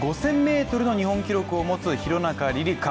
５０００ｍの日本記録を持つ廣中璃梨佳、